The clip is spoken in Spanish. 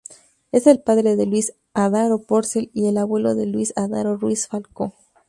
Es el padre de Luis Adaro Porcel y el abuelo de Luis Adaro Ruiz-Falcó.